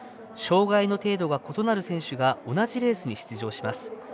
障がいの程度が異なる選手が同じレースに出場します。